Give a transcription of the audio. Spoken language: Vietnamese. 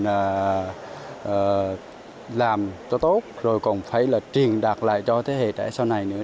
là làm cho tốt rồi còn phải là truyền đạt lại cho thế hệ trẻ sau này nữa